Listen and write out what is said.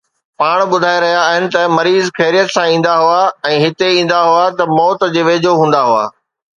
پاڻ ٻڌائي رهيا آهن ته مريض خيريت سان ايندا هئا ۽ هتي ايندا هئا ته موت جي ويجهو هوندا هئا